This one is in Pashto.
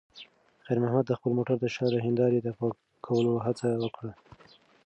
خیر محمد د خپل موټر د شا د هیندارې د پاکولو هڅه وکړه.